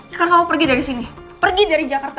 sekarang kamu pergi dari sini pergi dari jakarta